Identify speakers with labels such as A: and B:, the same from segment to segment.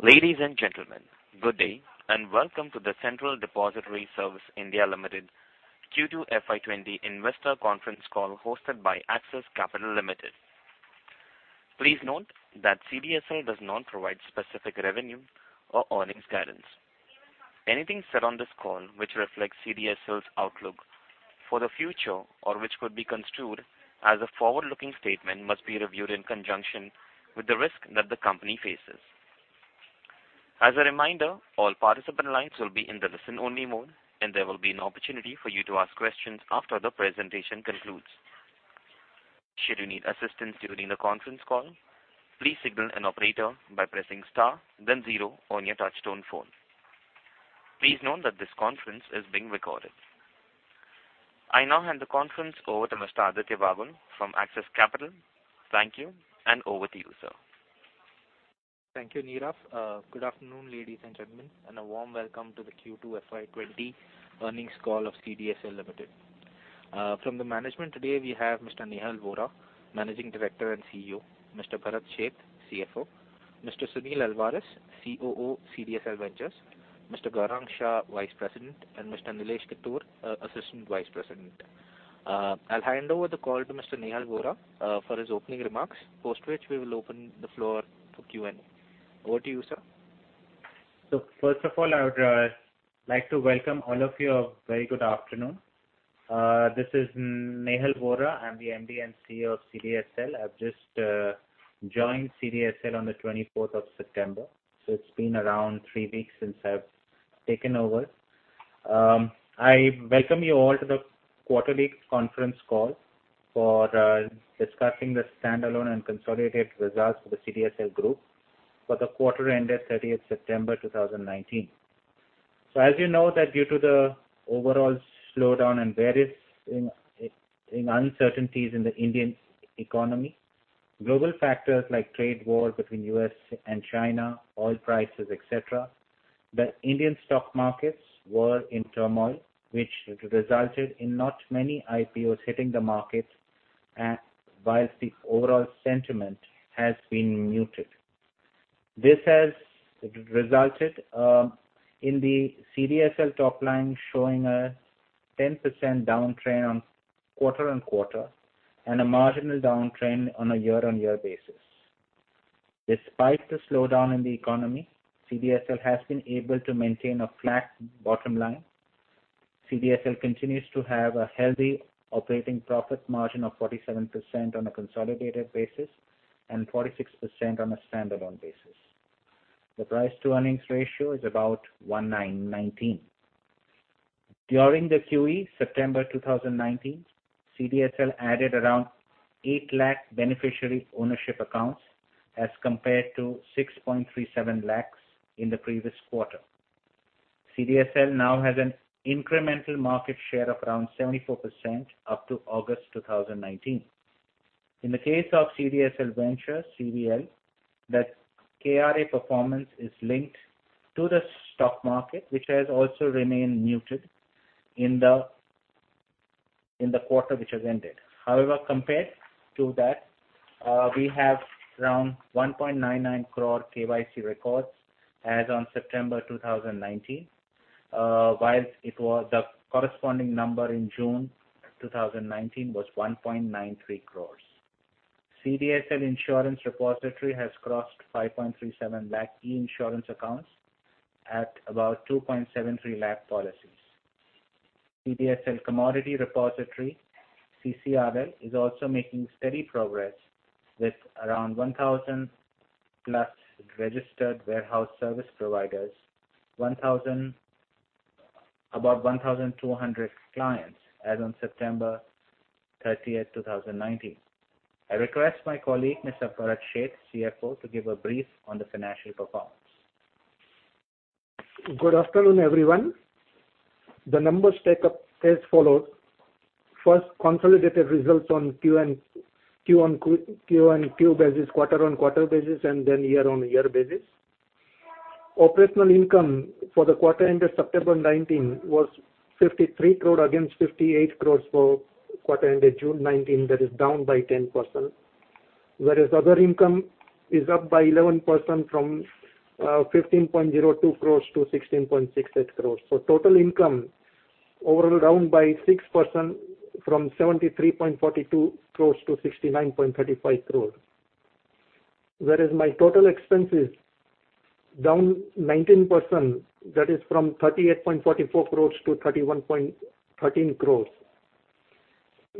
A: Ladies and gentlemen, good day, and welcome to the Central Depository Services Limited Q2 FY 2020 investor conference call hosted by Axis Capital Limited. Please note that CDSL does not provide specific revenue or earnings guidance. Anything said on this call which reflects CDSL's outlook for the future or which could be construed as a forward-looking statement must be reviewed in conjunction with the risk that the company faces. As a reminder, all participant lines will be in the listen-only mode, and there will be an opportunity for you to ask questions after the presentation concludes. Should you need assistance during the conference call, please signal an operator by pressing star then zero on your touch-tone phone. Please note that this conference is being recorded. I now hand the conference over to Mr. Aditya Bhagwan from Axis Capital. Thank you, and over to you, sir.
B: Thank you, Neeraj. Good afternoon, ladies and gentlemen, and a warm welcome to the Q2 FY20 earnings call of CDSL Limited. From the management today, we have Mr. Nehal Vora, Managing Director and CEO, Mr. Bharat Sheth, CFO, Mr. Sunil Alvares, COO, CDSL Ventures, Mr. Gaurang Shah, Senior Vice President, and Mr. Nilesh Ketkar, Assistant Vice President. I'll hand over the call to Mr. Nehal Vora for his opening remarks, after which we will open the floor for Q&A. Over to you, sir.
C: First of all, I would like to welcome all of you. A very good afternoon. This is Nehal Vora. I'm the MD and CEO of CDSL. I've just joined CDSL on the 24th of September, so it's been around three weeks since I've taken over. I welcome you all to the quarterly conference call for discussing the standalone and consolidated results for the CDSL group for the quarter ended 30th September 2019. As you know that due to the overall slowdown and various uncertainties in the Indian economy, global factors like trade war between U.S. and China, oil prices, et cetera, the Indian stock markets were in turmoil, which resulted in not many IPOs hitting the market whilst the overall sentiment has been muted. This has resulted in the CDSL top line showing a 10% downtrend on quarter-on-quarter and a marginal downtrend on a year-on-year basis. Despite the slowdown in the economy, CDSL has been able to maintain a flat bottom line. CDSL continues to have a healthy operating profit margin of 47% on a consolidated basis and 46% on a standalone basis. The price-to-earnings ratio is about 19. During the QE September 2019, CDSL added around 8 lakh beneficiary ownership accounts as compared to 6.37 lakh in the previous quarter. CDSL now has an incremental market share of around 74% up to August 2019. In the case of CDSL Ventures, CVL, the KRA performance is linked to the stock market, which has also remained muted in the quarter which has ended. However, compared to that, we have around 1.99 crore KYC records as on September 2019. Whilst the corresponding number in June 2019 was 1.93 crore. CDSL Insurance Repository has crossed 5.37 lakh e-Insurance accounts at about 2.73 lakh policies. CDSL Commodity Repository, CCRL, is also making steady progress with around 1,000 plus registered warehouse service providers, about 1,200 clients as on September 30th, 2019. I request my colleague, Mr. Bharat Sheth, CFO, to give a brief on the financial performance.
D: Good afternoon, everyone. The numbers stack up as follows. First, consolidated results on Q1, Q-on-Q basis, quarter-on-quarter basis and then year-on-year basis. Operational income for the quarter ended September 2019 was 53 crore against 58 crores for quarter ended June 2019, that is down by 10%, whereas other income is up by 11% from 15.02 crores to 16.68 crores. Total income overall down by 6% from 73.42 crores to 69.35 crores. Whereas my total expense is down 19%, that is from 38.44 crores to 31.13 crores.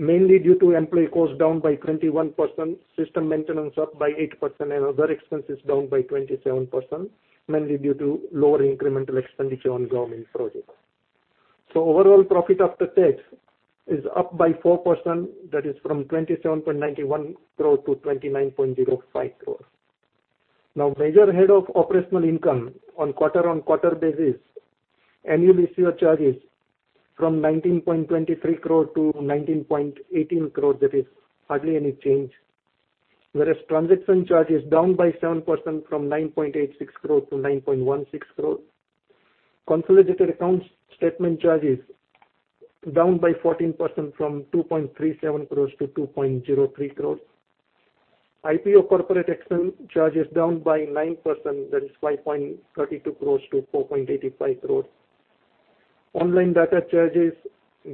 D: Mainly due to employee costs down by 21%, system maintenance up by 8% and other expenses down by 27%, mainly due to lower incremental expenditure on government projects. Overall profit after tax is up by 4%, that is from 27.91 crore to 29.05 crore. Major head of operational income on quarter-on-quarter basis. Annual issue charges from 19.23 crore to 19.18 crore. That is hardly any change. Transaction charge is down by 7% from 9.86 crore to 9.16 crore. Consolidated Account Statement charges down by 14% from 2.37 crore to 2.03 crore. IPO corporate action charges down by 9%, that is 5.32 crore to 4.85 crore. Online data charges,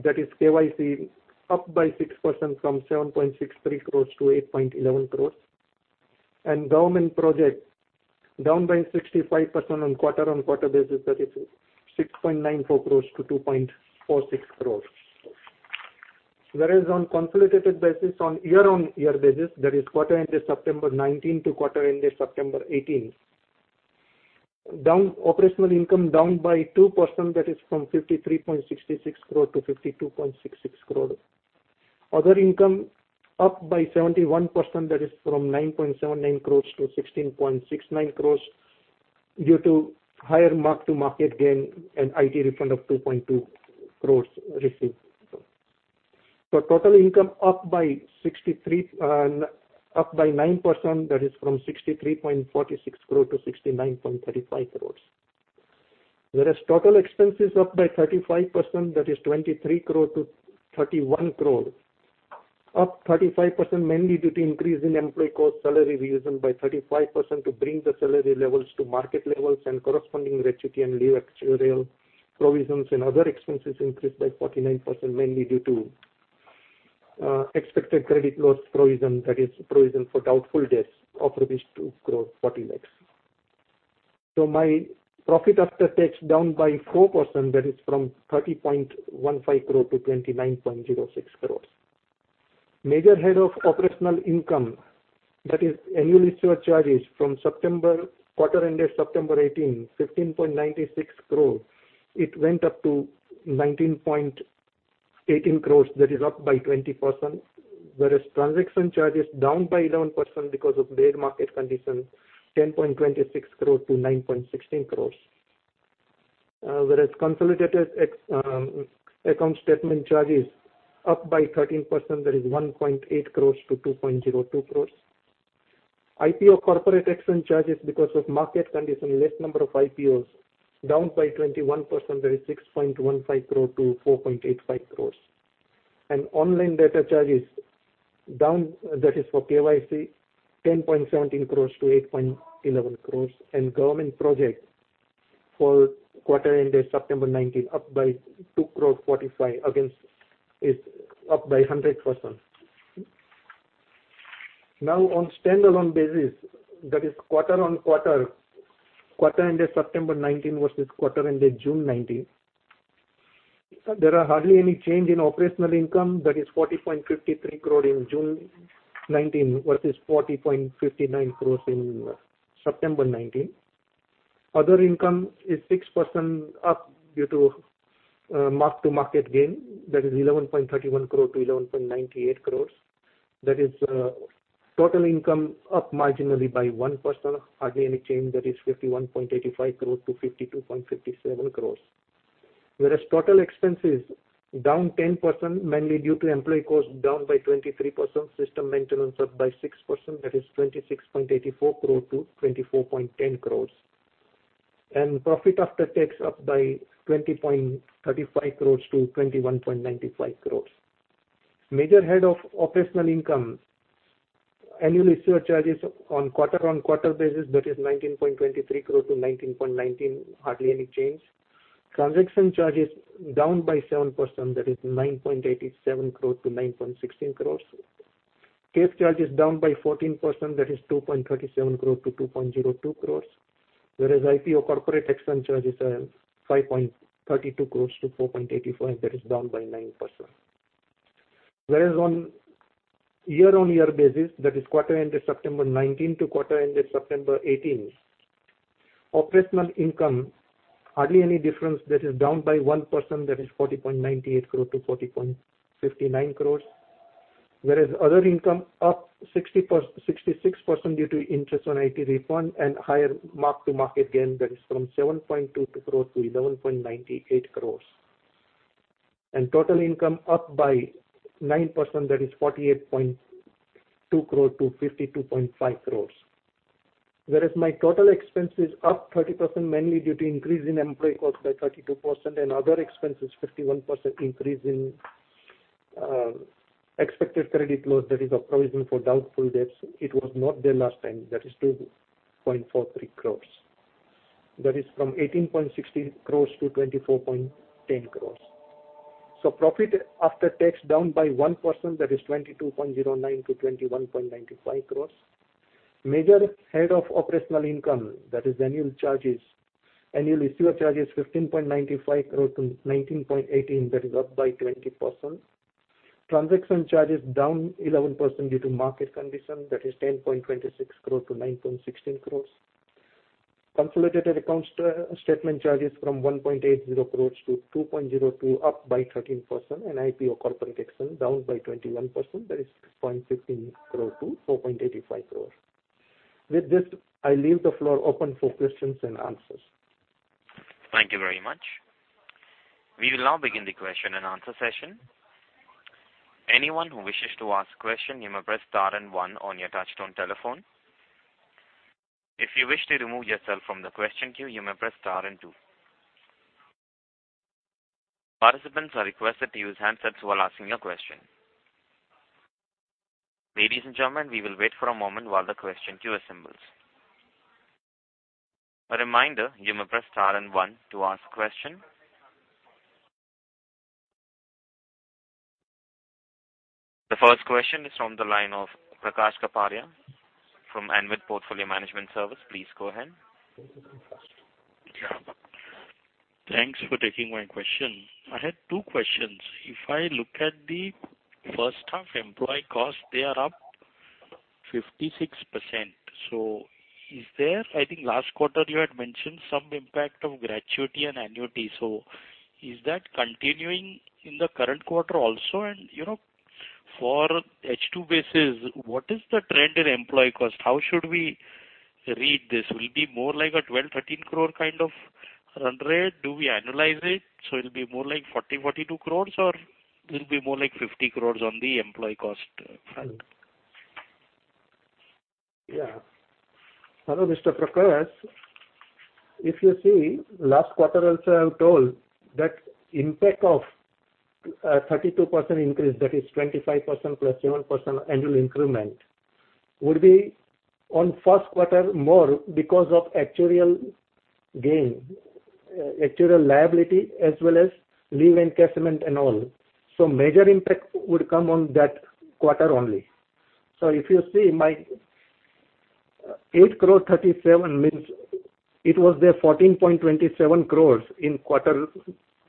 D: that is KYC, up by 6% from 7.63 crore to 8.11 crore. Government projects down by 65% on quarter-on-quarter basis, that is 6.94 crore to 2.46 crore. On consolidated basis on year-on-year basis, that is quarter ending September 2019 to quarter ending September 2018. Operational income down by 2%, that is from 53.66 crore to 52.66 crore. Other income up by 71%, that is from 9.79 crore to 16.69 crore due to higher mark-to-market gain and IT refund of 2.2 crore received. Total income up by 9%, that is from 63.46 crore to 69.35 crore. Whereas total expenses up by 35%, that is 23 crore to 31 crore. Up 35% mainly due to increase in employee cost, salary revision by 35% to bring the salary levels to market levels and corresponding gratuity and leave actuarial provisions and other expenses increased by 49%, mainly due to expected credit loss provision, that is provision for doubtful debts of rupees 2.40 lakh. My profit after tax down by 4%, that is from 30.15 crore to 29.06 crore. Major head of operational income, that is annual issuer charges from quarter ending September 2018, 15.96 crore, it went up to 19.18 crores, that is up by 20%. Transaction charges down by 11% because of bad market conditions, 10.26 crore-9.16 crores. Consolidated account statement charges up by 13%, that is 1.8 crores-2.02 crores. IPO corporate action charges because of market condition, less number of IPOs down by 21%, that is 6.15 crore-4.85 crores. Online data charges down, that is for KYC, 10.17 crores-8.11 crores. Government project for quarter ending September 2019, up by 2.45 crores, against its up by 100%. On standalone basis, that is quarter-over-quarter, quarter ending September 2019 versus quarter ending June 2019. There are hardly any change in operational income, that is 40.53 crore in June 2019 versus 40.59 crores in September 2019. Other income is 6% up due to mark-to-market gain, that is 11.31 crore to 11.98 crores. That is total income up marginally by 1%, hardly any change, that is 51.85 crore to 52.57 crores. Whereas total expenses down 10%, mainly due to employee cost down by 23%, system maintenance up by 6%, that is 26.84 crore to 24.10 crores. Profit after tax up by 20.35 crores to 21.95 crores. Major head of operational income, annual issuer charges on quarter-on-quarter basis, that is 19.23 crore to 19.19 crore, hardly any change. Transaction charges down by 7%, that is 9.87 crore to 9.16 crores. CAS charges down by 14%, that is 2.37 crore to 2.02 crores. Whereas IPO corporate action charges are 5.32 crores to 4.85 crore, that is down by 9%. Whereas on year-on-year basis, that is quarter ending September 2019 to quarter ending September 2018, operational income hardly any difference, that is down by 1%, that is 40.98 crore to 40.59 crores. Whereas other income up 66% due to interest on IT refund and higher mark-to-market gain, that is from 7.22 crore to 11.98 crores. Total income up by 9%, that is 48.2 crore to 52.5 crores. Whereas my total expense is up 30%, mainly due to increase in employee cost by 32% and other expenses 51% increase in expected credit loss, that is a provision for doubtful debts. It was not there last time. That is 2.43 crores. That is from 18.16 crores to 24.10 crores. Profit after tax down by 1%, that is 22.09 crore to 21.95 crores. Major head of operational income, that is annual issuer charges 15.95 crore to 19.18 crore, that is up by 20%. Transaction charges down 11% due to market condition, that is 10.26 crore to 9.16 crore. Consolidated Account Statement charges from 1.80 crore to 2.02 crore up by 13%. IPO corporate action down by 21%, that is 6.16 crore to 4.85 crore. With this, I leave the floor open for questions and answers.
A: Thank you very much. We will now begin the question and answer session. Anyone who wishes to ask a question, you may press star and one on your touchtone telephone. If you wish to remove yourself from the question queue, you may press star and two. Participants are requested to use handsets while asking a question. Ladies and gentlemen, we will wait for a moment while the question queue assembles. A reminder, you may press star and one to ask question. The first question is from the line of Prakash Kapadia from Anvit Portfolio Management Services. Please go ahead.
E: Thanks for taking my question. I had two questions. If I look at the first half employee cost, they are up 56%. I think last quarter you had mentioned some impact of gratuity and annuity. Is that continuing in the current quarter also? For H2 basis, what is the trend in employee cost? How should we read this? Will it be more like a 12 crore-13 crore kind of run rate? Do we annualize it'll be more like 40 crore-42 crore or it'll be more like 50 crore on the employee cost front?
D: Hello, Mr. Prakash. If you see, last quarter also I have told that impact of 32% increase, that is 25% plus 7% annual increment, would be on first quarter more because of actuarial gain, actuarial liability as well as leave encashment and all. Major impact would come on that quarter only. If you see my 8.37 crore means it was there 14.27 crore in quarter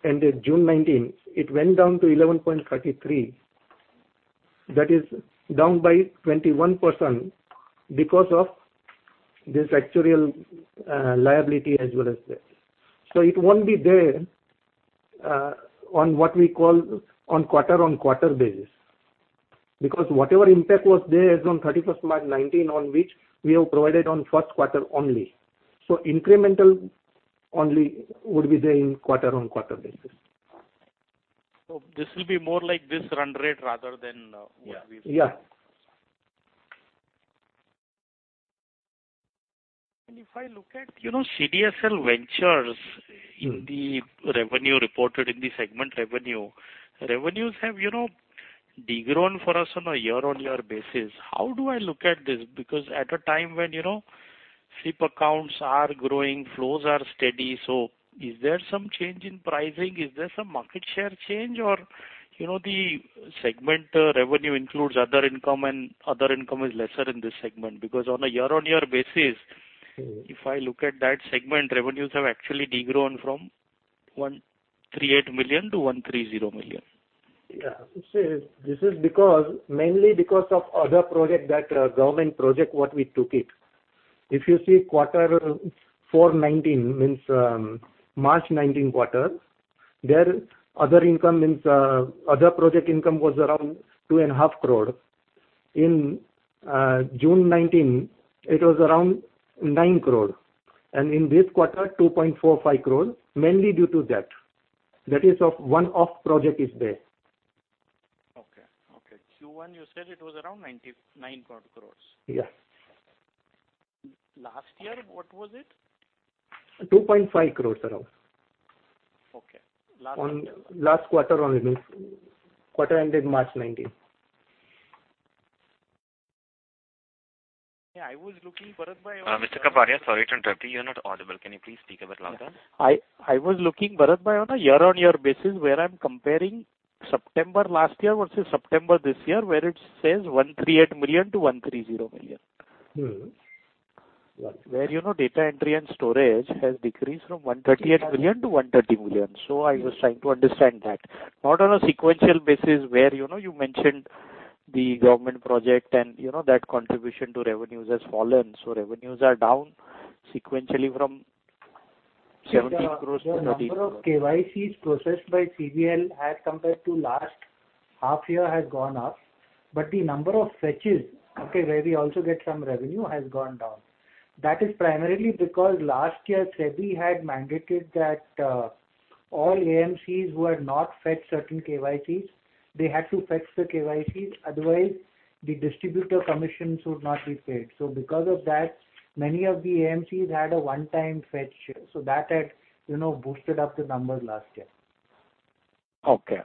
D: ended June 2019. It went down to 11.33 crore. That is down by 21% because of this actuarial liability as well as that. It won't be there on what we call on quarter-on-quarter basis. Whatever impact was there as on 31st March 2019 on which we have provided on first quarter only. Incremental only would be there in quarter-on-quarter basis.
E: This will be more like this run rate rather than what.
D: Yeah.
E: If I look at CDSL Ventures in the revenue reported in the segment revenue. Revenues have degrown for us on a year-on-year basis. How do I look at this? At a time when SIP accounts are growing, flows are steady, so is there some change in pricing? Is there some market share change? The segment revenue includes other income and other income is lesser in this segment. if I look at that segment, revenues have actually degrown from 138 million to 130 million.
D: Yeah. This is mainly because of other project, that government project what we took it. If you see quarter four 2019, means March 2019 quarter, there other income, means other project income was around two and a half crore. In June 2019, it was around 9 crore. In this quarter 2.45 crore, mainly due to that. That is of one-off project is there.
E: Okay. Q1, you said it was around 99 crores.
D: Yeah.
E: Last year, what was it?
D: 2.5 crores around.
E: Okay. Last year.
D: Last quarter on this. Quarter ended March 2019.
E: Yeah, I was looking, Bharat bhai-
A: Mr. Kapadia, sorry to interrupt you. You're not audible. Can you please speak a bit louder?
E: I was looking, Bharat bhai, on a year-on-year basis, where I'm comparing September last year versus September this year, where it says 138 million to 130 million.
D: Mm-hmm. Yeah.
E: Where data entry and storage has decreased from 138 million to 130 million. I was trying to understand that. Not on a sequential basis where you mentioned the government project and that contribution to revenues has fallen. Revenues are down sequentially from 17 crores to 13 crores.
F: The number of KYCs processed by CVL as compared to last half year has gone up, but the number of fetches, okay, where we also get some revenue, has gone down. That is primarily because last year SEBI had mandated that all AMCs who had not fetched certain KYCs, they had to fetch the KYCs, otherwise the distributor commissions would not be paid. Because of that, many of the AMCs had a one-time fetch. That had boosted up the numbers last year.
E: Okay.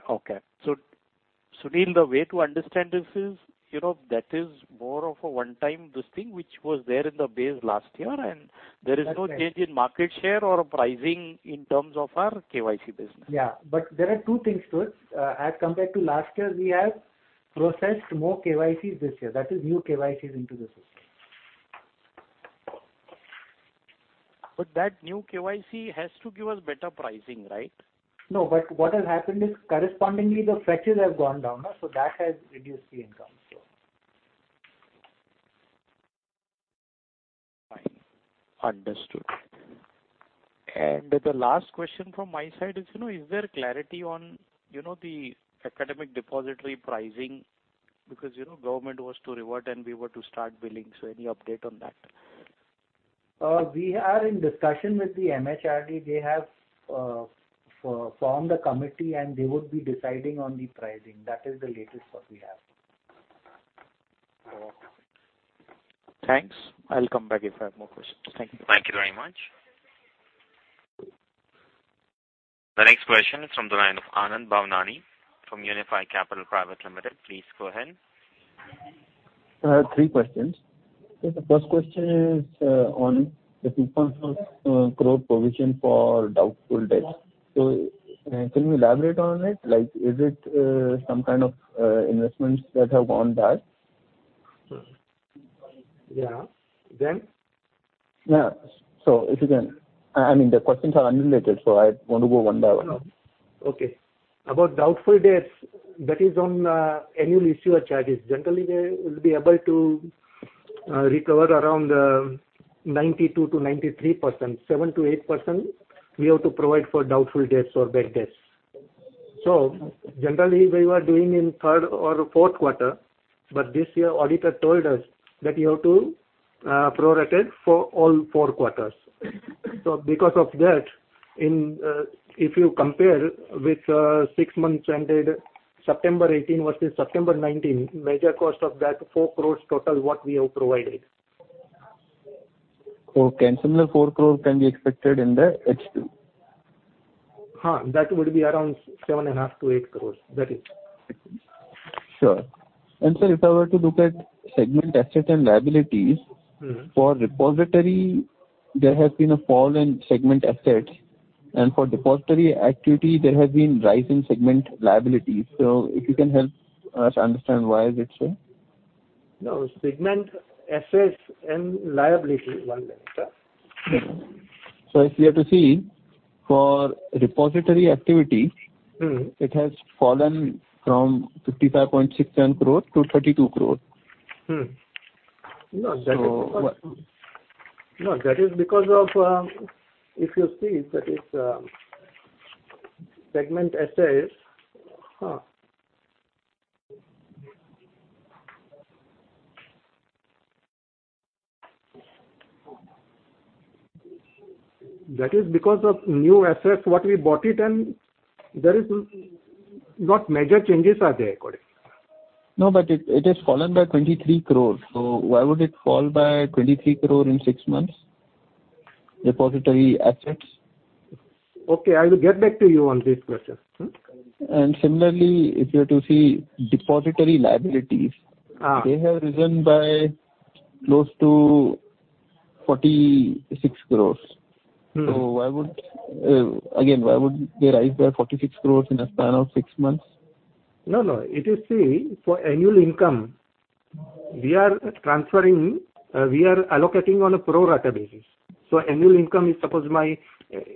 E: Sunil, the way to understand this is, that is more of a one-time this thing which was there in the base last year, and there is no change-
F: That's right.
E: in market share or pricing in terms of our KYC business.
F: Yeah. There are two things to it. As compared to last year, we have processed more KYCs this year. That is new KYCs into the system.
E: That new KYC has to give us better pricing, right?
F: What has happened is correspondingly, the fetches have gone down. That has reduced the income.
E: Understood. The last question from my side is there clarity on the Academic Depository pricing? Government was to revert and we were to start billing, so any update on that?
D: We are in discussion with the MHRD. They have formed a committee, and they would be deciding on the pricing. That is the latest what we have.
E: Thanks. I'll come back if I have more questions. Thank you.
A: Thank you very much. The next question is from the line of Anand Bhavnani from Unifi Capital Private Limited. Please go ahead.
G: I have three questions. Sir, the first question is on the 2.4 crore provision for doubtful debts. Can you elaborate on it? Is it some kind of investments that have gone bad?
D: Yes. Then?
G: Yes. I mean, the questions are unrelated, so I want to go one by one.
D: Okay. About doubtful debts, that is on annual issuer charges. Generally, we'll be able to recover around 92%-93%. 7%-8%, we have to provide for doubtful debts or bad debts. Generally, we were doing in third or fourth quarter, but this year auditor told us that you have to prorate it for all four quarters. Because of that, if you compare with six months ended September 2018 versus September 2019, major cost of that 4 crores total what we have provided.
G: Okay. Similar 4 crore can be expected in the H2?
D: Yes. That would be around 7.5 crores-8 crores. That is it.
G: Sure. Sir, if I were to look at segment assets and liabilities. For repository, there has been a fall in segment assets, and for depository activity, there has been rise in segment liabilities. If you can help us understand why is it so?
D: No. Segment assets and liability, one minute.
G: Sir, if you are to see, for repository activity. It has fallen from 55.67 crore to 32 crore.
D: No, that is. If you see that is segment assets. That is because of new assets what we bought it, and not major changes are there according.
G: No, it has fallen by 23 crore. Why would it fall by 23 crore in six months? Depository assets.
D: Okay. I will get back to you on this question.
G: Similarly, if you are to see depository liabilities.
D: Yes.
G: They have risen by close to 46 crores. Why would they rise by ₹46 crores in a span of six months?
D: No, if you see, for annual income, we are allocating on a pro rata basis. Annual income is, suppose my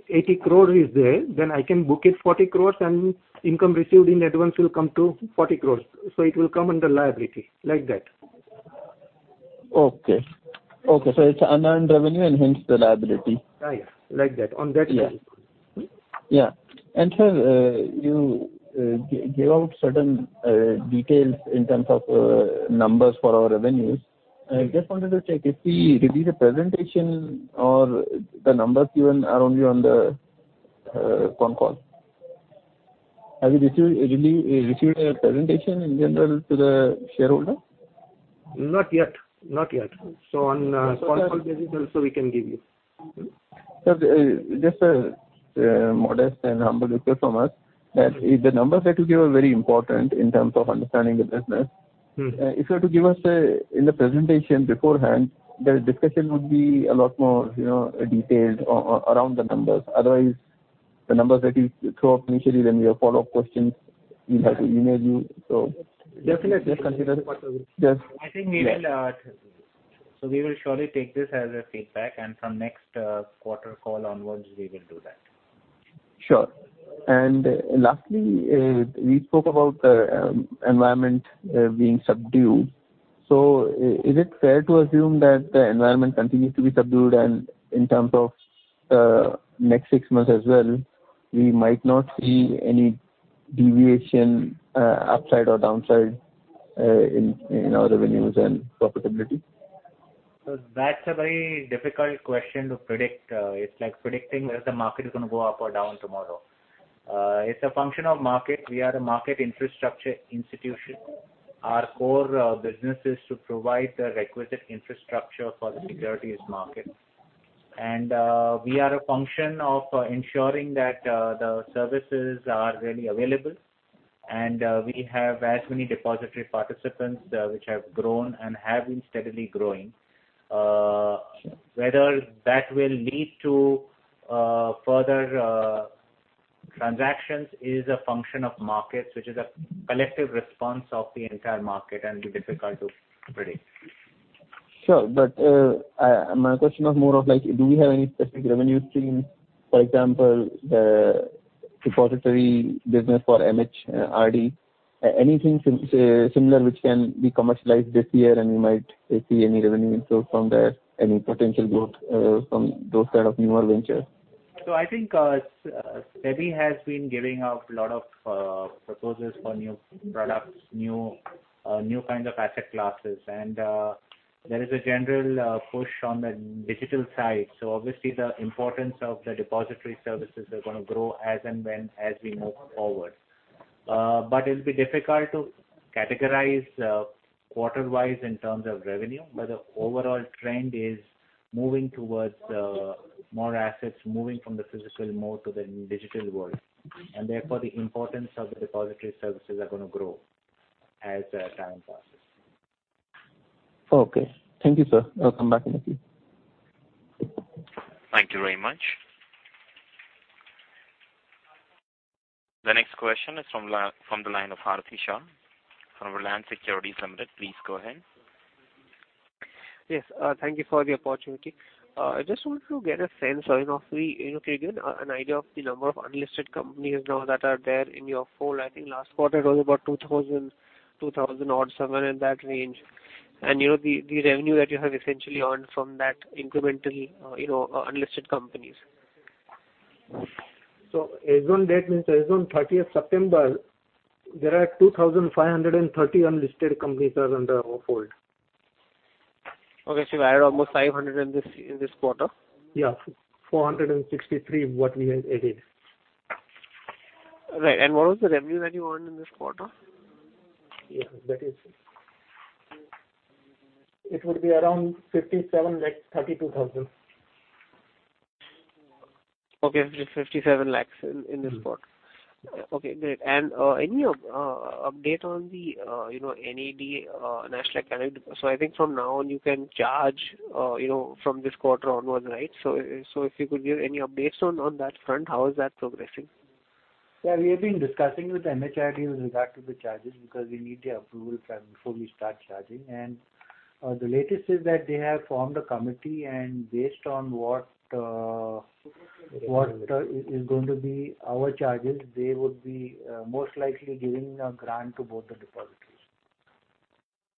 D: 80 crore is there, then I can book it 40 crores and income received in advance will come to 40 crores. It will come under liability, like that.
G: Okay. It's unearned revenue and hence the liability.
D: Yes. Like that, on that basis.
G: Yes. Sir, you gave out certain details in terms of numbers for our revenues. I just wanted to check if we receive a presentation or the numbers given are only on the con call. Have you received a presentation in general to the shareholder?
D: Not yet. On con call basis also we can give you.
G: Sir, just a modest and humble request from us, that the numbers that you give are very important in terms of understanding the business. If you are to give us in the presentation beforehand, the discussion would be a lot more detailed around the numbers. Otherwise, the numbers that you throw up initially, then we have follow-up questions, we have to email you.
D: Definitely.
G: Just consider.
D: I think we will. We will surely take this as a feedback and from next quarter call onwards, we will do that.
G: Lastly, we spoke about the environment being subdued. Is it fair to assume that the environment continues to be subdued and in terms of next six months as well, we might not see any deviation upside or downside in our revenues and profitability?
C: That's a very difficult question to predict. It's like predicting whether the market is going to go up or down tomorrow. It's a function of market. We are a market infrastructure institution. Our core business is to provide the requisite infrastructure for the securities market. We are a function of ensuring that the services are readily available, and we have as many depository participants which have grown and have been steadily growing. Whether that will lead to further transactions is a function of markets, which is a collective response of the entire market and be difficult to predict.
G: Sure. My question was more of like, do we have any specific revenue stream? For example, the depository business for MHRD. Anything similar which can be commercialized this year and we might see any revenue inflow from there, any potential growth from those set of newer ventures?
C: I think SEBI has been giving out a lot of proposals for new products, new kinds of asset classes, and there is a general push on the digital side. Obviously the importance of the depository services are going to grow as we move forward. It'll be difficult to categorize quarter-wise in terms of revenue. The overall trend is more assets moving from the physical more to the digital world, and therefore the importance of the depository services are going to grow as time passes.
G: Okay. Thank you, sir. I'll come back in a few.
A: Thank you very much. The next question is from the line of Aarti Shah from Reliance Securities Limited. Please go ahead.
H: Yes. Thank you for the opportunity. I just want to get a sense or give an idea of the number of unlisted companies now that are there in your fold. I think last quarter it was about 2,000 odd, somewhere in that range. The revenue that you have essentially earned from that incremental unlisted companies.
D: As on 30th September, there are 2,530 unlisted companies are under our fold.
H: Okay. You added almost 500 in this quarter?
D: Yes, 463, what we have added.
H: Right. What was the revenue that you earned in this quarter?
D: Yes. It would be around 57 lakh, 32 thousand.
H: Okay. 57 lakhs in this quarter. Okay, great. Any update on the NAD, National Academic Depository? I think from now on you can charge from this quarter onwards, right? If you could give any updates on that front, how is that progressing?
D: Yeah, we have been discussing with MHRD with regard to the charges, because we need the approval before we start charging. The latest is that they have formed a committee, and based on what is going to be our charges, they would be most likely giving a grant to both the depositories.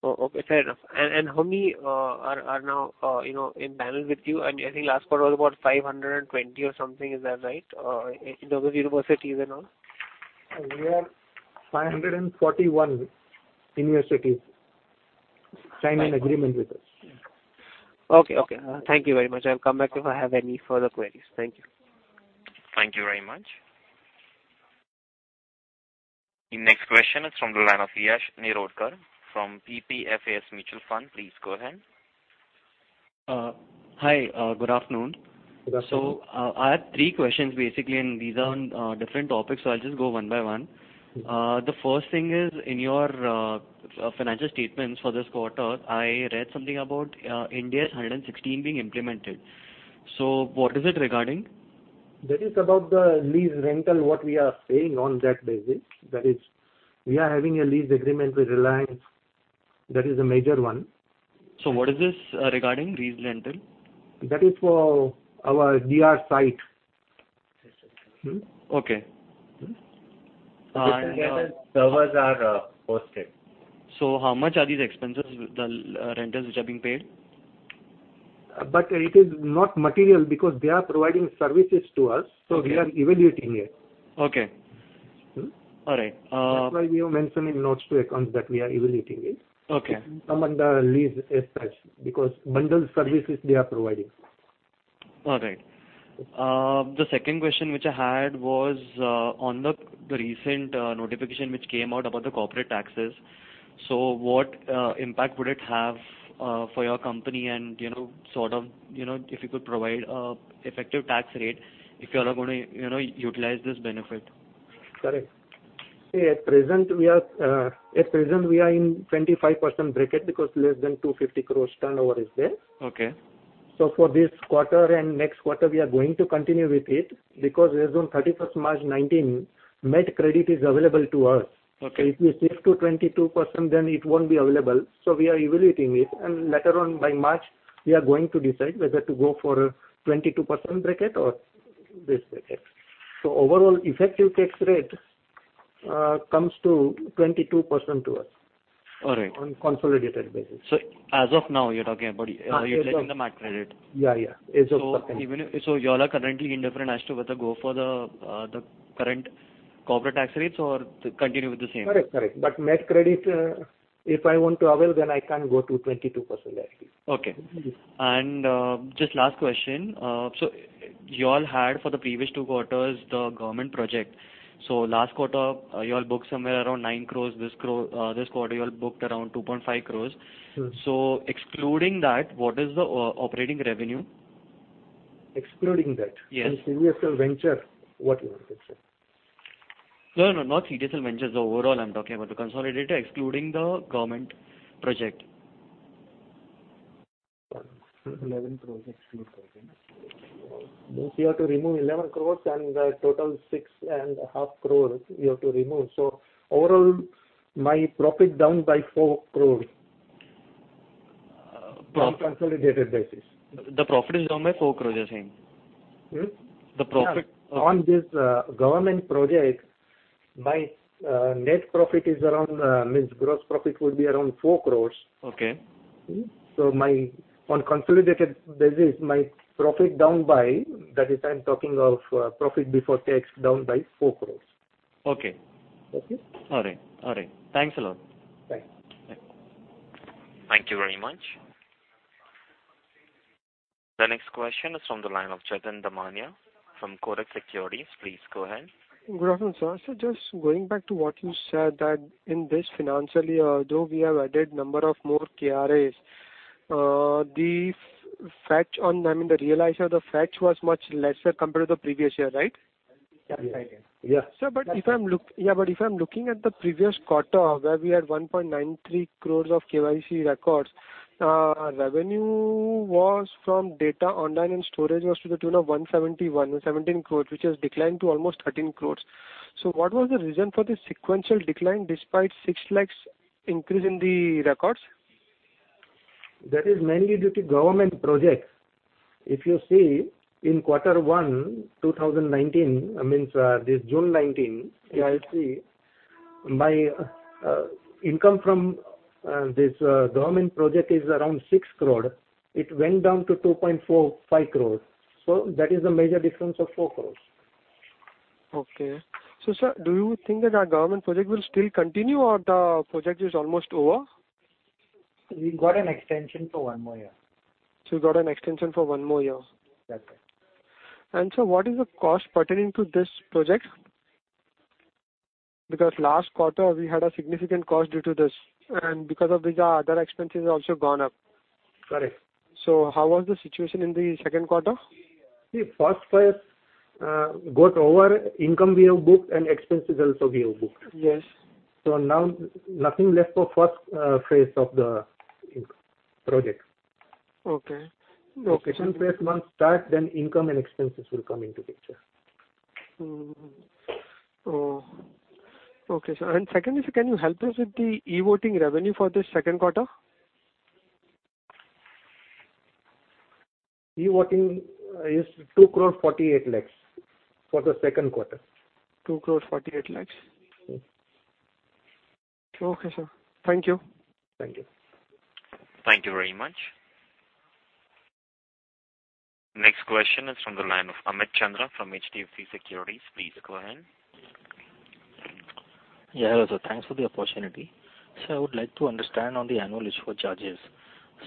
H: Okay, fair enough. How many are now in panel with you? I think last quarter was about 520 or something, in those universities and all. Is that right?
D: We have 541 universities signing agreement with us.
H: Okay. Thank you very much. I'll come back if I have any further queries. Thank you.
A: Thank you very much. The next question is from the line of Yash Nirodkar from PPFAS Mutual Fund. Please go ahead.
I: Hi. Good afternoon.
D: Good afternoon.
I: I have three questions basically, and these are on different topics, so I'll just go one by one. The first thing is, in your financial statements for this quarter, I read something about Ind AS 116 being implemented. What is it regarding?
D: That is about the lease rental, what we are paying on that basis. That is, we are having a lease agreement with Reliance. That is a major one.
I: What is this regarding, lease rental?
D: That is for our DR site.
I: Okay.
C: This is where the servers are hosted.
I: How much are these expenses, the rentals which are being paid?
D: It is not material because they are providing services to us.
I: Okay.
D: We are evaluating it.
I: Okay. All right.
D: That's why we have mentioned in notes to accounts that we are evaluating it.
I: Okay.
D: Under lease as such, because bundled services they are providing.
I: All right. The second question which I had was on the recent notification which came out about the corporate taxes. What impact would it have for your company? If you could provide effective tax rate, if you all are going to utilize this benefit.
D: Correct. At present, we are in 25% bracket because less than 250 crore turnover is there.
I: Okay.
D: For this quarter and next quarter, we are going to continue with it because as on 31st March 2019, MAT credit is available to us.
I: Okay.
D: If we shift to 22%, then it won't be available. We are evaluating it, and later on by March, we are going to decide whether to go for a 22% bracket or this bracket. Overall effective tax rate comes to 22% to us.
I: All right.
D: On consolidated basis.
I: As of now, you're talking about you're taking the MAT credit?
D: Yeah. As of second.
I: You all are currently indifferent as to whether go for the current corporate tax rates or continue with the same?
D: Correct. MAT credit, if I want to avail, then I can go to 22% actually.
I: Okay. Just last question. You all had for the previous two quarters the government project. Last quarter you all booked somewhere around 9 crores. This quarter you all booked around 2.5 crores.
D: Yes.
I: Excluding that, what is the operating revenue?
D: Excluding that?
I: Yes.
D: In CDSL Venture? What you want, exactly?
I: No, not CDSL Ventures. Overall, I'm talking about the consolidated, excluding the government project.
C: 11 crore excluding government.
D: Means you have to remove 11 crore and total 6.5 crore you have to remove. Overall, my profit down by 4 crore on consolidated basis.
I: The profit is down by 4 crore, you're saying? The profit-
D: On this government project. My net profit is around, means gross profit will be around 4 crores.
A: Okay.
D: On a consolidated basis, my profit down by, that is I'm talking of profit before tax, down by 4 crores.
A: Okay.
D: Okay?
A: All right. Thanks a lot.
D: Thanks.
A: Thank you very much. The next question is from the line of Jatin Damania from Kotak Securities. Please go ahead.
J: Good afternoon, sir. Just going back to what you said, that in this financial year, though we have added number of more KRAs, the fetch on, I mean, the realization of the fetch was much lesser compared to the previous year, right?
D: Yes.
J: Sir, if I'm looking at the previous quarter where we had 1.93 crore of KYC records, revenue was from data online and storage was to the tune of 171 crore or 117 crore, which has declined to almost 13 crore. What was the reason for the sequential decline despite six lakh increase in the records?
D: That is mainly due to government projects. If you see in quarter one 2019, this June 2019, you will see my income from this government project is around 6 crore. It went down to 2.45 crore. That is a major difference of 4 crore.
J: Okay. Sir, do you think that our government project will still continue or the project is almost over?
D: We got an extension for one more year.
J: You got an extension for one more year.
D: That's it.
J: Sir, what is the cost pertaining to this project? Last quarter, we had a significant cost due to this, and because of this, our other expenses have also gone up.
D: Correct.
J: How was the situation in the second quarter?
D: See, first phase got over. Income we have booked and expenses also we have booked.
J: Yes.
D: Now nothing left for first phase of the project.
J: Okay.
D: Second phase once starts, then income and expenses will come into picture.
J: Oh, okay, sir. Secondly, sir, can you help us with the e-voting revenue for this second quarter?
D: E-voting is 2.48 crores for the second quarter.
J: 2.48 crores.
D: Yes.
J: Okay, sir. Thank you.
D: Thank you.
A: Thank you very much. Next question is from the line of Amit Chandra from HDFC Securities. Please go ahead.
K: Yeah, hello sir. Thanks for the opportunity. Sir, I would like to understand on the annual issue charges.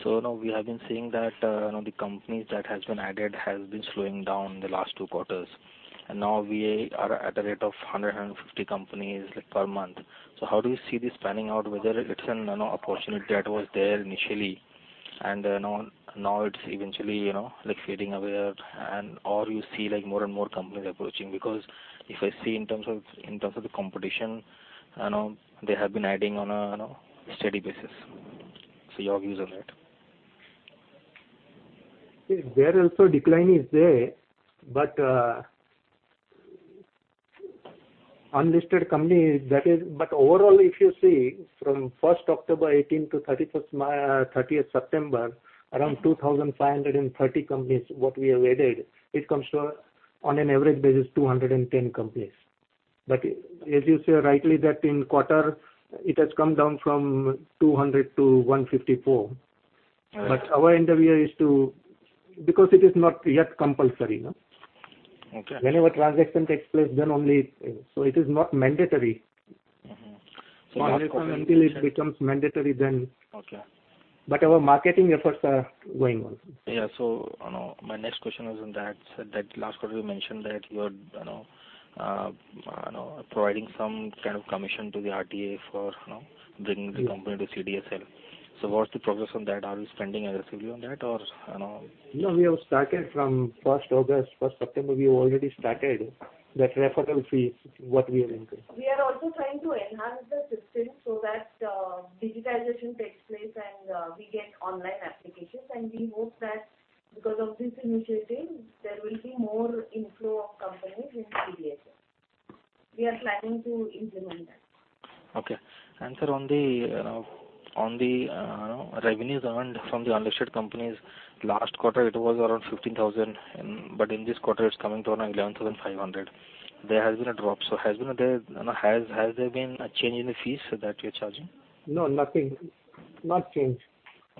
K: Now we have been seeing that the companies that has been added has been slowing down in the last 2 quarters, and now we are at a rate of 150 companies per month. How do you see this panning out, whether it's an opportunity that was there initially and now it's eventually fading away, or you see more and more companies approaching? Because if I see in terms of the competition, they have been adding on a steady basis. Your views on that.
D: There also decline is there. Overall, if you see from 1st October 2018 to 30th September, around 2,530 companies, what we have added, it comes to, on an average basis, 210 companies. As you say rightly, that in quarter it has come down from 200 to 154.
K: All right.
D: Because it is not yet compulsory.
K: Okay.
D: Whenever transaction takes place, then only. It is not mandatory. until it becomes mandatory.
K: Okay.
D: Our marketing efforts are going on.
K: My next question was on that, sir. That last quarter you mentioned that you are providing some kind of commission to the RTA for bringing the company to CDSL. What's the progress on that? Are you spending aggressively on that or no?
D: No. We have started from 1st August. 1st September, we already started that referral fees, what we are incurring.
L: We are also trying to enhance the system so that digitization takes place and we get online applications, and we hope that because of this initiative, there will be more inflow of companies into CDSL. We are planning to implement that.
K: Okay. Sir, on the revenues earned from the unlisted companies, last quarter it was around 15,000, in this quarter it's coming to around 11,500. There has been a drop. Has there been a change in the fees that you're charging?
D: No, nothing. Not changed.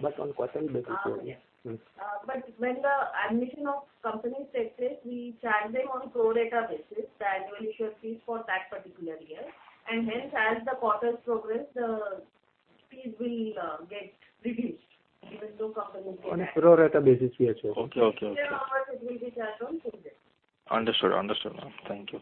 D: On quarter basis, yes.
L: When the admission of companies takes place, we charge them on pro rata basis, the annual issue fees for that particular year. Hence, as the quarters progress, the fees will get reduced even though companies get added.
D: On pro rata basis we are charging.
K: Okay.
L: Still our charges will be charged on pro rata.
K: Understood. Thank you.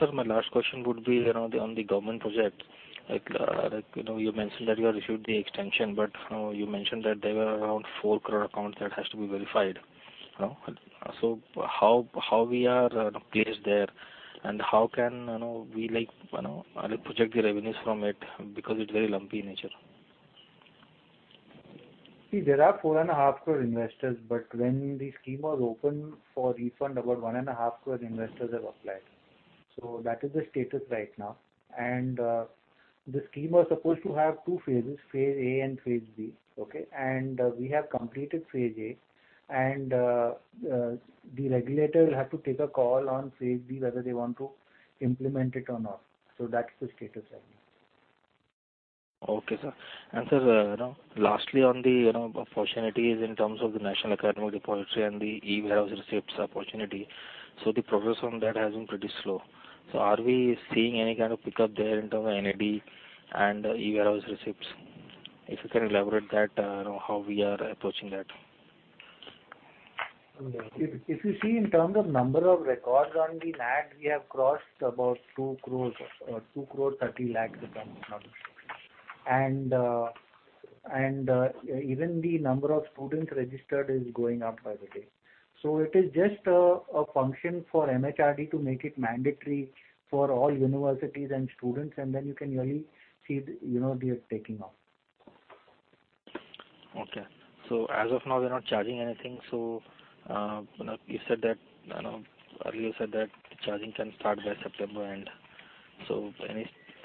K: Sir, my last question would be on the government project. You mentioned that you have issued the extension, but you mentioned that there were around 4 crore accounts that has to be verified. How we are placed there, and how can we project the revenues from it, because it's very lumpy in nature.
D: There are 4.5 crore investors, when the scheme was open for refund, about 1.5 crore investors have applied. That is the status right now.
F: The scheme was supposed to have two phases, phase A and phase B. Okay? We have completed phase A, and the regulator will have to take a call on phase B, whether they want to implement it or not. That's the status right now.
K: Okay, sir. Sir, lastly, on the opportunities in terms of the National Academic Depository and the e-warehouse receipts opportunity. The progress on that has been pretty slow. Are we seeing any kind of pickup there in terms of NAD and e-warehouse receipts? If you can elaborate that, how we are approaching that.
F: If you see in terms of number of records on the NAD, we have crossed about 2.3 crore records. Even the number of students registered is going up by the day. It is just a function for MHRD to make it mandatory for all universities and students, and then you can really see it taking off.
K: Okay. As of now, we're not charging anything. Earlier you said that charging can start by September.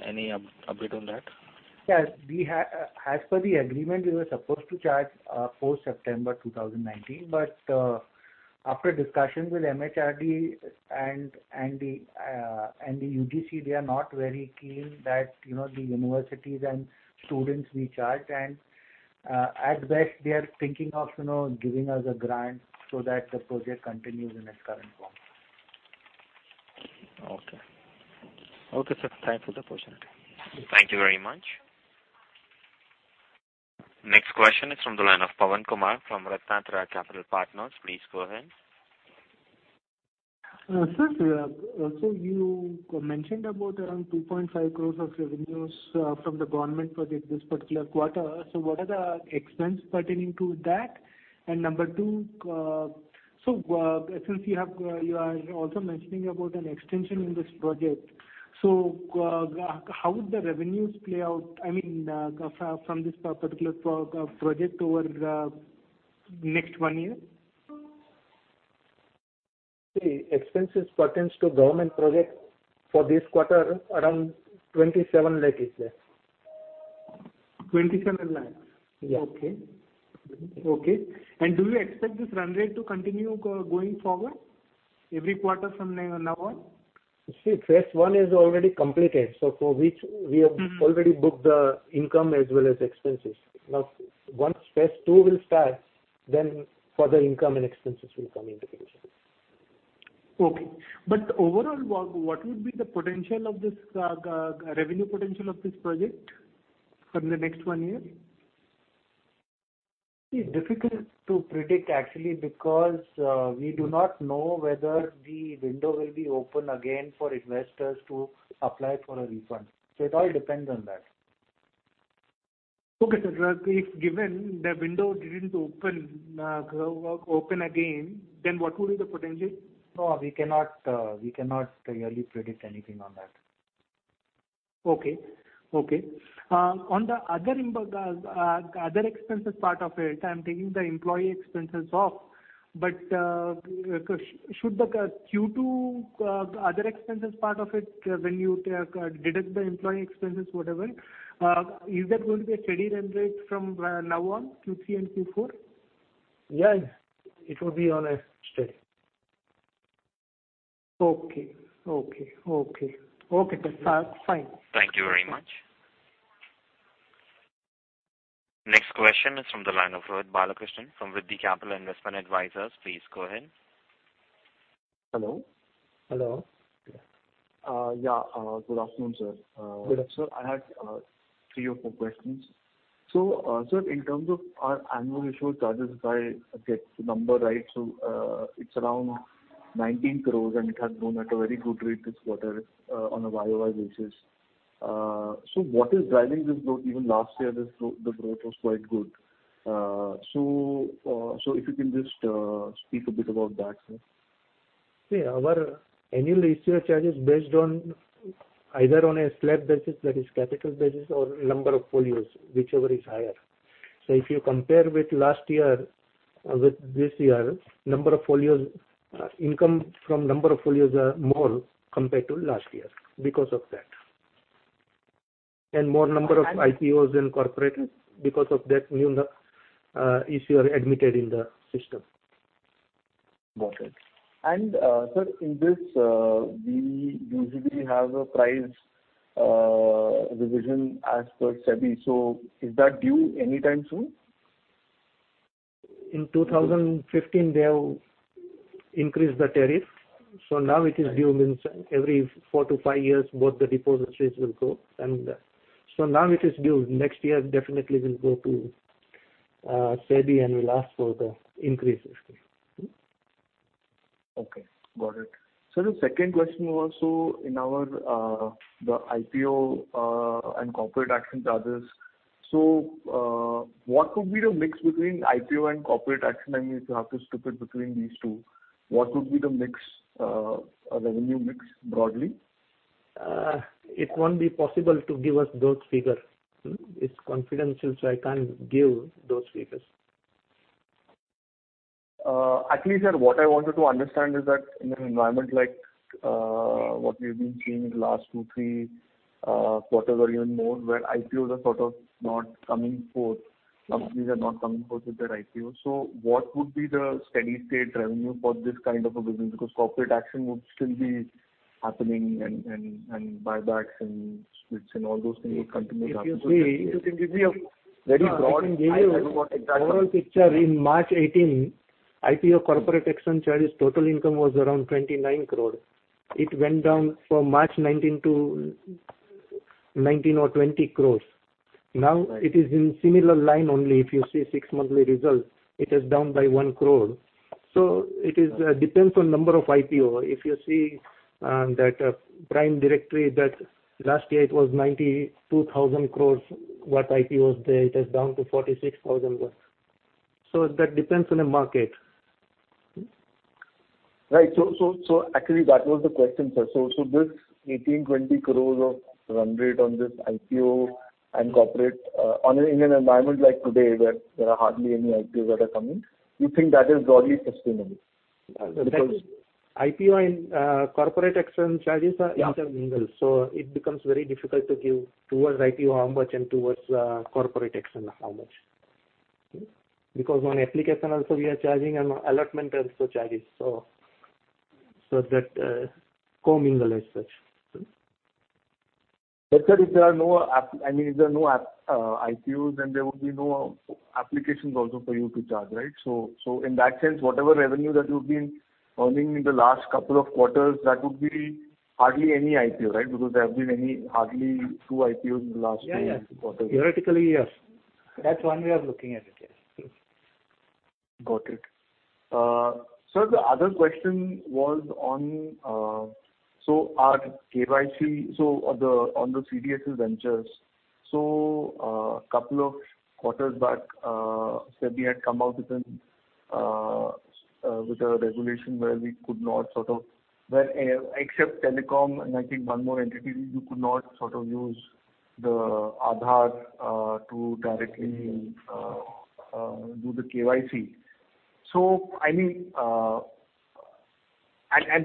K: Any update on that?
F: Yes. As per the agreement, we were supposed to charge post September 2019. After discussions with MHRD and the UGC, they are not very keen that the universities and students we charge. At best, they are thinking of giving us a grant so that the project continues in its current form.
K: Okay. Okay, sir. Thanks for the opportunity.
A: Thank you very much. Next question is from the line of Pawan Kumar from RatnaTraya Capital Partners. Please go ahead.
M: Sir, you mentioned about around 2.5 crores of revenues from the government project this particular quarter. What are the expense pertaining to that? Number 2, since you are also mentioning about an extension in this project, how would the revenues play out, I mean, from this particular project over next one year?
F: Expenses pertains to government project for this quarter, around 27 lakh is there.
M: 27 lakh?
F: Yeah.
M: Okay. Do you expect this run rate to continue going forward every quarter from now on?
F: Phase 1 is already completed. For which we have already booked the income as well as expenses. Once phase 2 will start, further income and expenses will come into picture.
M: Okay. Overall, what would be the revenue potential of this project from the next one year?
F: Difficult to predict actually because we do not know whether the window will be open again for investors to apply for a refund. It all depends on that.
M: Okay, sir. If given the window didn't open again, then what would be the potential?
F: No, we cannot really predict anything on that.
M: Okay. On the other expenses part of it, I'm taking the employee expenses off, but should the Q2 other expenses part of it when you deduct the employee expenses, whatever, is that going to be a steady run rate from now on Q3 and Q4?
F: Yes, it would be on a steady.
M: Okay. Okay, sir. Fine.
A: Thank you very much. Next question is from the line of Rohit Balakrishnan from Vidhi Capital Investment Advisors. Please go ahead.
N: Hello.
F: Hello.
N: Yeah. Good afternoon, sir.
F: Good afternoon.
N: Sir, I had three or four questions. Sir, in terms of our annual issue charges, if I get the number right, it's around 19 crores, and it has grown at a very good rate this quarter on a YOY basis. What is driving this growth? Even last year, the growth was quite good. If you can just speak a bit about that, sir.
F: See, our annual issue charge is based on either on a slab basis that is capital basis or number of folios, whichever is higher. If you compare with last year, with this year, income from number of folios are more compared to last year because of that. More number of IPOs and corporate because of that new issuer admitted in the system.
N: Got it. Sir, in this, we usually have a price revision as per SEBI. Is that due anytime soon?
F: In 2015, they have increased the tariff, so now it is due means every four to five years, both the depositories will go. Now it is due. Next year, definitely we'll go to SEBI, and we'll ask for the increase.
N: Okay, got it. Sir, the second question was, in our IPO and corporate action charges, what would be the mix between IPO and corporate action? I mean, if you have to split between these two, what would be the revenue mix broadly?
F: It won't be possible to give us those figures. It's confidential. I can't give those figures.
N: At least what I wanted to understand is that in an environment like what we've been seeing in the last two, three quarters or even more, where IPOs are sort of not coming forth, companies are not coming forth with their IPO. What would be the steady state revenue for this kind of a business? Corporate action would still be happening and buybacks and splits and all those things would continue to happen.
F: If you say-
N: Do you think you can give me a very broad idea? I don't want exact numbers.
F: I can give you overall picture. In March 2018, IPO corporate action charges total income was around 29 crore. It went down from March 2019 to 19 crore or 20 crore. Now it is in similar line only, if you see six monthly results, it is down by 1 crore. It depends on number of IPO. If you see that PRIME Directory, that last year it was 92,000 crore what IPOs there, it has down to 46,000 crore. That depends on the market.
N: Right. Actually that was the question, sir. This 18 crore-20 crore of run rate on this IPO and corporate in an environment like today where there are hardly any IPOs that are coming, you think that is broadly sustainable?
F: IPO and corporate action charges are intermingled.
N: Yeah.
F: It becomes very difficult to give towards IPO how much and towards corporate action how much. On application also we are charging and allotment also charges. That co-mingle as such.
N: Sir, if there are no IPOs, then there would be no applications also for you to charge, right? In that sense, whatever revenue that you've been earning in the last couple of quarters, that would be hardly any IPO, right? Because there have been hardly two IPOs in the last two, three quarters.
F: Yeah. Theoretically, yes. That's one way of looking at it, yes.
N: Got it. Sir, the other question was on the CDSL Ventures. A couple of quarters back, SEBI had come out with a regulation where except telecom and I think one more entity, you could not use the Aadhaar to directly do the KYC.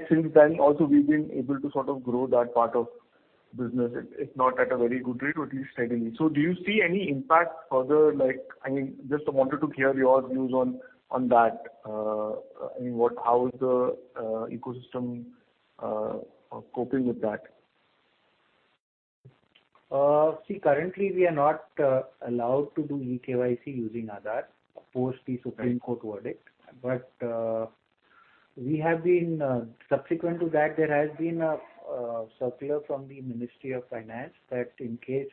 N: Since then also we've been able to sort of grow that part of business. It's not at a very good rate, but at least steadily. Do you see any impact further? I mean, just wanted to hear your views on that. I mean, how is the ecosystem coping with that?
F: Currently we are not allowed to do e-KYC using Aadhaar post the Supreme Court verdict. Subsequent to that, there has been a circular from the Ministry of Finance that in case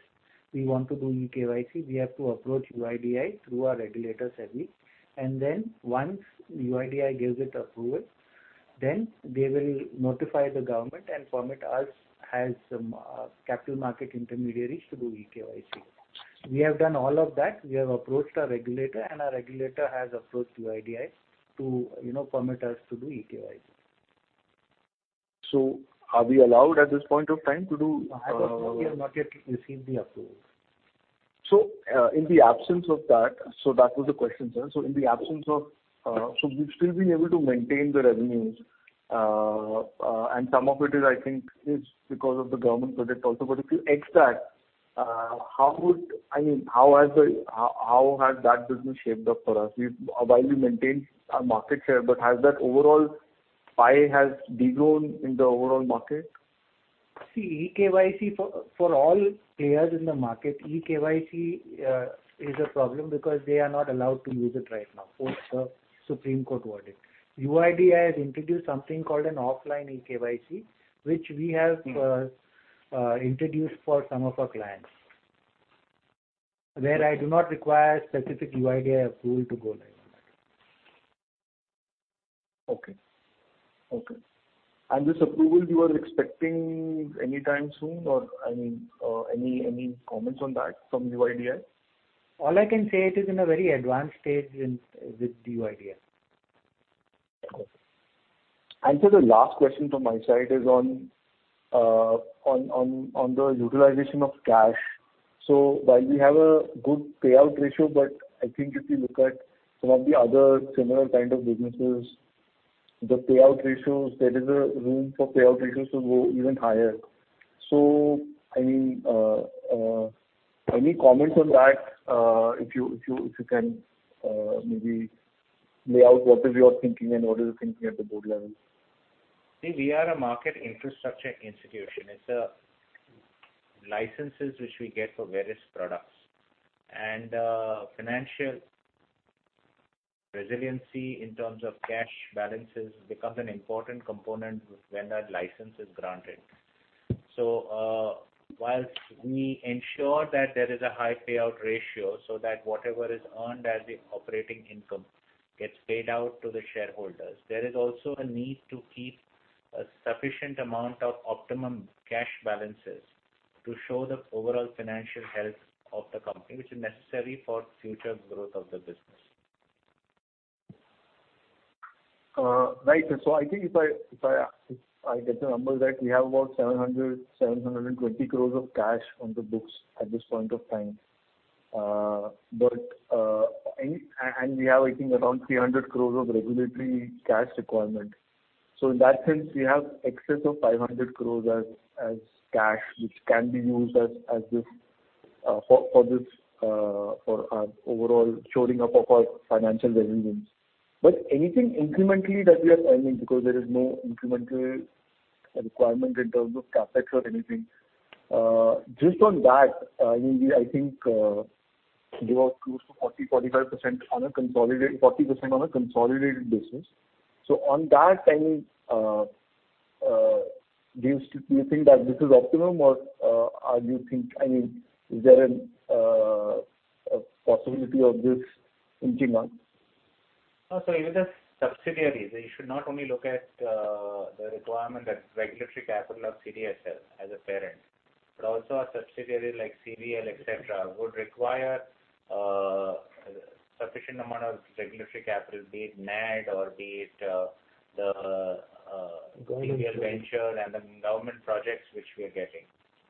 F: we want to do e-KYC, we have to approach UIDAI through our regulators SEBI. Once UIDAI gives it approval, they will notify the government and permit us as capital market intermediaries to do e-KYC. We have done all of that. We have approached our regulator. Our regulator has approached UIDAI to permit us to do e-KYC.
N: Are we allowed at this point of time?
F: As of now we have not yet received the approval.
N: That was the question, sir. You've still been able to maintain the revenues. Some of it is, I think, is because of the government project also. If you x that, how has that business shaped up for us? While we maintain our market share, has that overall pie has de-grown in the overall market?
F: For all players in the market, e-KYC is a problem because they are not allowed to use it right now post the Supreme Court verdict. UIDAI has introduced something called an offline e-KYC, which we have introduced for some of our clients, where I do not require specific UIDAI approval to go live on that.
N: Okay. This approval you are expecting anytime soon or, I mean, any comments on that from UIDAI?
F: All I can say it is in a very advanced stage with the UIDAI.
N: Okay. Sir, the last question from my side is on the utilization of cash. While we have a good payout ratio, but I think if you look at some of the other similar kind of businesses, there is a room for payout ratios to go even higher. I mean, any comments on that? If you can maybe lay out what is your thinking and what is the thinking at the board level.
C: We are a market infrastructure institution. Its licenses which we get for various products. Financial resiliency in terms of cash balances becomes an important component when that license is granted. While we ensure that there is a high payout ratio so that whatever is earned as the operating income gets paid out to the shareholders, there is also a need to keep a sufficient amount of optimum cash balances to show the overall financial health of the company, which is necessary for future growth of the business.
N: Right, sir. I think if I get the numbers right, we have about 700 crore, 720 crore of cash on the books at this point of time. We have, I think, around 300 crore of regulatory cash requirement. In that sense, we have excess of 500 crore as cash, which can be used for our overall shoring up of our financial resilience. Anything incrementally that we are earning, because there is no incremental requirement in terms of CapEx or anything. Just on that, I think we were close to 40% on a consolidated basis. On that earning, do you think that this is optimum, or is there a possibility of this increasing?
C: Even the subsidiaries, you should not only look at the requirement that regulatory capital of CDSL has as a parent, but also our subsidiaries like CVL, et cetera, would require a sufficient amount of regulatory capital, be it NAD or be it. government venture CVL venture and the government projects which we are getting.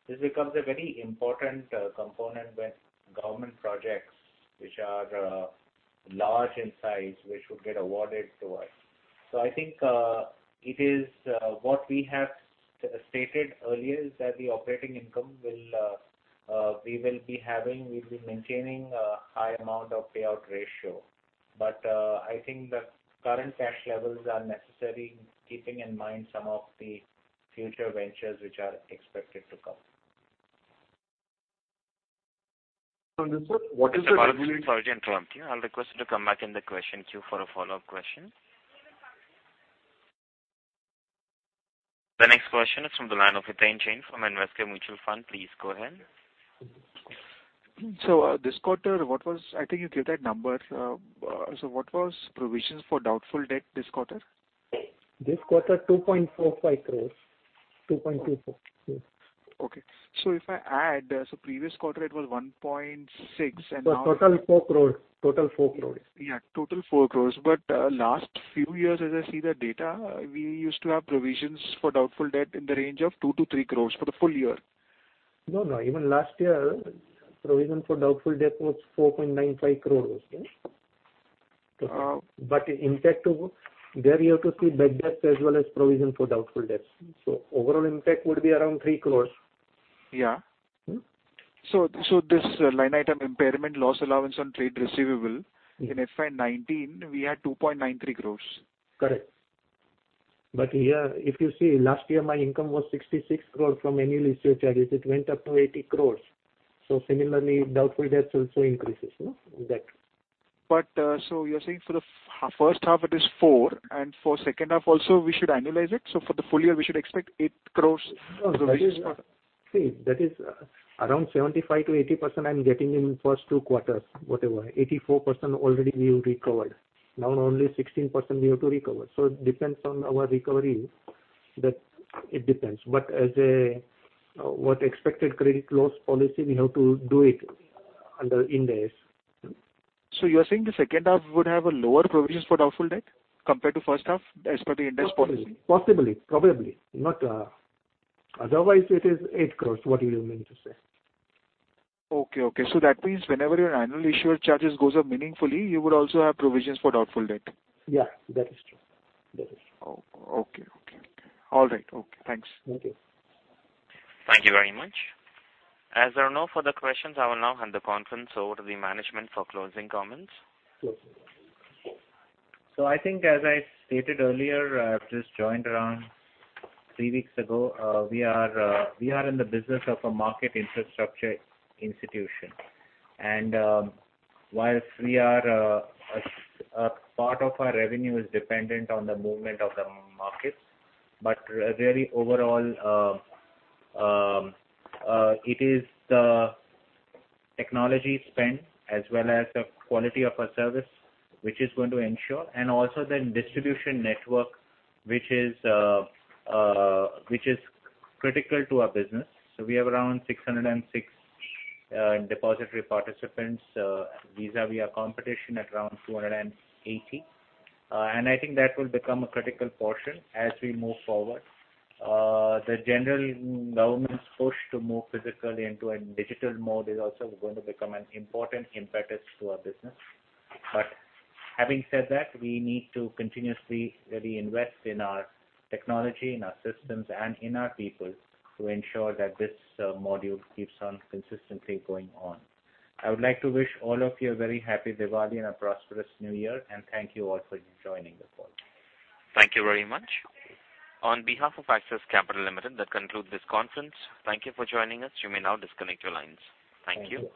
C: This becomes a very important component when government projects, which are large in size, which would get awarded to us. I think what we have stated earlier is that the operating income, we will be maintaining a high amount of payout ratio. I think the current cash levels are necessary, keeping in mind some of the future ventures which are expected to come.
N: sir, what is?
A: Sorry to interrupt you. I'll request you to come back in the question queue for a follow-up question. The next question is from the line of Hiten Jain from Invesco Mutual Fund. Please go ahead.
O: This quarter, I think you gave that number. What was provisions for doubtful debt this quarter?
D: This quarter, 2.45 crore. 2.24 crore, yes.
O: Okay. If I add, so previous quarter it was 1.6 and now.
D: Total 4 crores.
O: Yeah, total 4 crores. Last few years, as I see the data, we used to have provisions for doubtful debt in the range of 2 crores to 3 crores for the full year.
D: No, even last year, provision for doubtful debt was 4.95 crore.
O: Okay.
D: Impact of, there you have to see bad debt as well as provision for doubtful debts. Overall impact would be around 3 crore.
O: Yeah. This line item, impairment loss allowance on trade receivable, in FY 2019, we had 2.93 crores.
D: Correct. Here, if you see, last year my income was 66 crore from annual issuer charges. It went up to 80 crore. Similarly, doubtful debt also increases.
O: You're saying for the first half it is four, and for second half also we should annualize it. For the full year, we should expect eight crores.
D: No. See, that is around 75%-80% I'm getting in first two quarters. 84% already we recovered. Now only 16% we have to recover. It depends on our recovery. As what expected credit loss policy, we have to do it under Ind AS.
O: You are saying the second half would have a lower provisions for doubtful debt compared to first half as per the Ind AS policy?
D: Possibly, probably. Otherwise it is 8 crores, what you meant to say.
O: Okay. That means whenever your annual issuer charges goes up meaningfully, you would also have provisions for doubtful debt?
D: Yeah, that is true.
O: Okay. All right. Okay, thanks.
D: Thank you.
A: Thank you very much. As there are no further questions, I will now hand the conference over to the management for closing comments.
C: I think as I stated earlier, I've just joined around three weeks ago. We are in the business of a market infrastructure institution. Whilst part of our revenue is dependent on the movement of the markets, really overall, it is the technology spend as well as the quality of our service which is going to ensure, also distribution network, which is critical to our business. We have around 606 depository participants, vis-à-vis our competition at around 280. I think that will become a critical portion as we move forward. The general government's push to move physically into a digital mode is also going to become an important impetus to our business. Having said that, we need to continuously really invest in our technology, in our systems, and in our people to ensure that this module keeps on consistently going on. I would like to wish all of you a very happy Diwali and a prosperous New Year, and thank you all for joining the call.
A: Thank you very much. On behalf of Axis Capital Limited, that concludes this conference. Thank you for joining us. You may now disconnect your lines. Thank you.